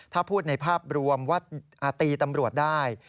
ถ้าพูดในภาพรวมว่าตีตำรวจได้